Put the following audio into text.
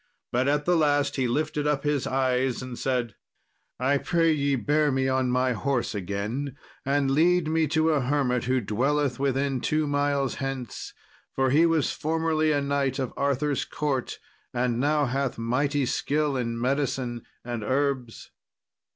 But at the last he lifted up his eyes, and said, "I pray ye bear me on my horse again, and lead me to a hermit who dwelleth within two miles hence, for he was formerly a knight of Arthur's court, and now hath mighty skill in medicine and herbs."